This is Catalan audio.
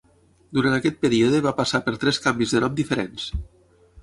Durant aquest període va passar per tres canvis de nom diferents.